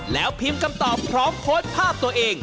แล้วพิมพ์คำตอบพร้อมโพสต์ภาพตัวเอง